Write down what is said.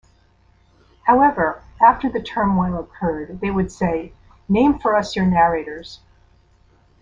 However, after the turmoil occurred they would say, 'Name for us your narrators.